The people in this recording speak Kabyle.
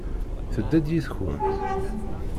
Tedda-d yid-kent?